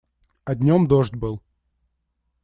А днём дождь был.